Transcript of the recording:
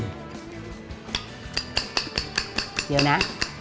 เดี๋ยวนะ